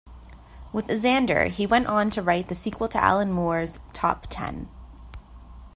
With Zander he went on to write the sequel to Alan Moore's "Top Ten".